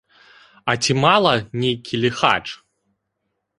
А ці мала нейкі ліхач?